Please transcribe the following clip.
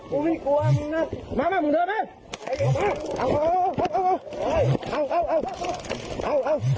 พอเปิดทิศ